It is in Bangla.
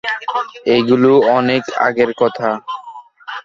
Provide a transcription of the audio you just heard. এগুলো অনেক আগের কথা।